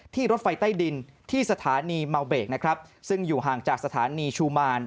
ที่รถไฟใต้ดินที่สถานีเมาเบกซึ่งอยู่ห่างจากสถานีชูมาร